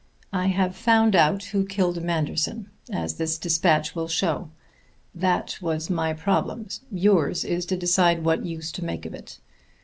I have found out who killed Manderson, as this despatch will show. That was my problem; yours is to decide what use to make of it.